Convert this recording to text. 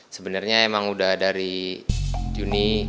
sebenarnya emang udah dari juni